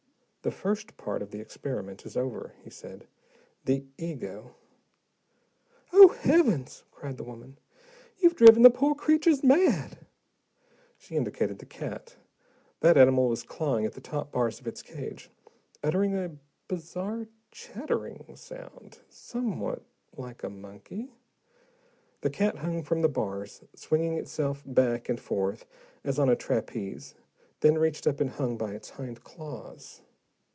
"The first part of the experiment is over," he said. "The ego " "Oh, heavens!" cried the woman. "You've driven the poor creatures mad!" She indicated the cat. That animal was clawing at the top bars of its cage, uttering a bizarre, chattering sound, somewhat like a monkey. The cat hung from the bars, swinging itself back and forth as on a trapeze, then reached up and hung by its hind claws.